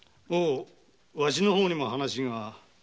わしの方にも話が。